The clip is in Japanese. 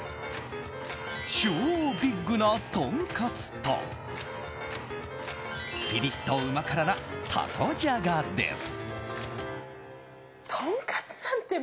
超ビッグなとんかつとピリッとうま辛なたこじゃがです。